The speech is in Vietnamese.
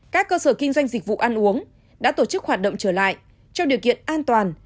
các cơ sở kinh doanh dịch vụ ăn uống đã tổ chức hoạt động trở lại trong điều kiện an toàn